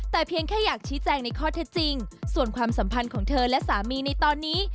แต่เพียงแค่อยากชี้แจงในข้อเท็จจริงส่วนความสัมพันธ์ของเธอและสามีในตอนนี้